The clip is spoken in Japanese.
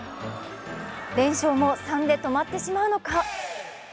連勝も３で止まってしまうのか。